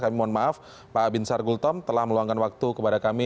kami mohon maaf pak binsar gultom telah meluangkan waktu kepada kami